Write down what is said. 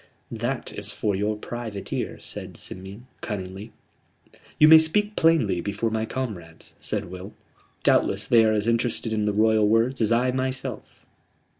"That is for your private ear," said Simeon, cunningly. "You may speak plainly before my comrades," said Will. "Doubtless they are as interested in the Royal words as I myself."